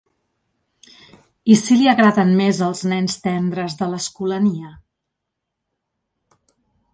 I si li agraden més els nens tendres de l'Escolania?